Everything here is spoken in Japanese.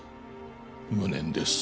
無念です